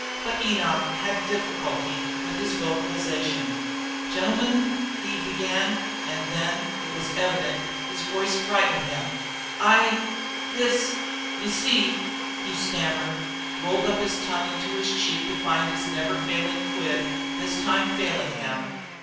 But Enoch had difficulty with his vocalization. "Gennelmen," he began, and then it was evident his voice frightened him. "I this y'see," he stammered, rolled up his tongue into his cheek to find his never failing quid this time failing him.